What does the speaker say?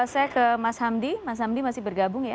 saya ke mas hamdi mas hamdi masih bergabung ya